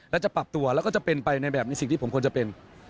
และจะปรับตัวแล้วก็จะเป็นไปในแบบในสิ่งที่ผมควรจะเป็น